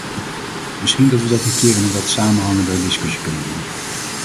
Misschien dat we dat een keer in een wat samenhangender discussie kunnen doen.